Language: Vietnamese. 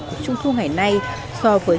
của trung thu ngày nay so với